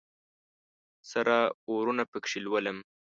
سره اورونه پکښې لولم